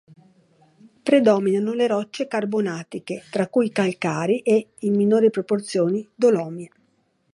Predominano le rocce carbonatiche, tra cui calcari e, in minori proporzioni, dolomie.